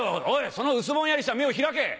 その薄ぼんやりした目を開け！